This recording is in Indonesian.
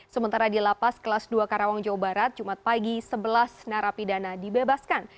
sementara di lapas kelas dua karawang jawa barat jumat pagi sebelas narapidana dibebaskan